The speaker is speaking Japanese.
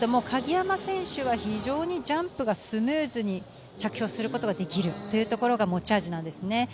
鍵山選手は非常にジャンプがスムーズに着氷することができるというところが持ち味なんですね。